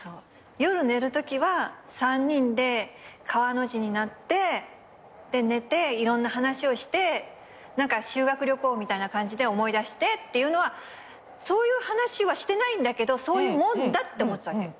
夜寝るときは３人で川の字になってで寝ていろんな話をして修学旅行みたいな感じで思い出してっていうのはそういう話はしてないんだけどそういうもんだって思ってたわけ。